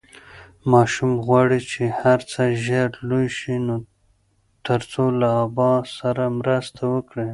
ماشوم غواړي چې هر څه ژر لوی شي ترڅو له ابا سره مرسته وکړي.